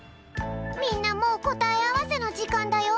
みんなもうこたえあわせのじかんだよ。